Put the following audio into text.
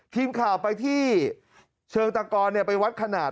ทีมข่าวไปที่เชิงตะกรไปวัดขนาด